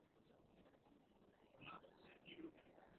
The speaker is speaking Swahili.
Serikali ya Kenya iko na tatizo la pesa.